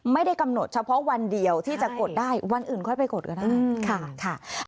ไม่ได้กำหนดเฉพาะวันเดียวที่จะกดได้วันอื่นค่อยไปกดก็ได้ค่ะ